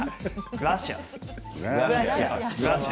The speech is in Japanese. グラシアス。